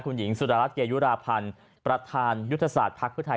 คุณหญิงสุดารัฐเกยุราพันธ์ประธานยุทธศาสตร์ภักดิ์เพื่อไทย